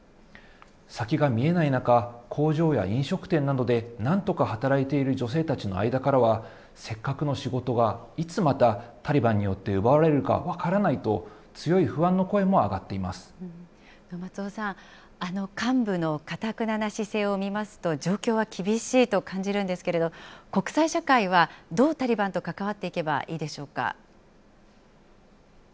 先が見えない中、工場や飲食店などでなんとか働いている女性たちの間からは、せっかくの仕事がいつまたタリバンによって奪われるか分からないと、松尾さん、幹部のかたくなな姿勢を見ますと、状況は厳しいと感じるんですけれども、国際社会はどうタリバンと関わっていけばいいでしょうか。